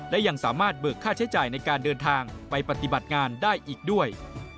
และยังสามารถเบิกค่าใช้จ่ายในการเดินทางไปปฏิบัติงานได้อีกด้วย